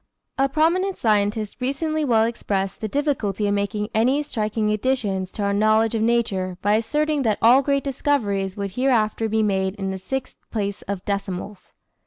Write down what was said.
A prominent scientist recently well expressed the difficulty of making any striking additions to our knowledge of nature by asserting that all great discoveries would hereafter be made in the sixth place of decimals.